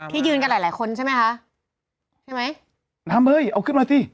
ยืนกันหลายหลายคนใช่ไหมคะใช่ไหมน้ำเฮ้ยเอาขึ้นมาสิ